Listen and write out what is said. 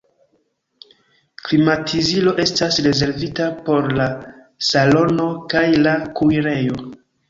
Klimatizilo estas rezervita por la salono kaj la kuirejo.